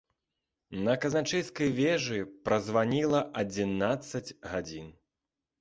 На казначэйскай вежы празваніла адзінаццаць гадзін.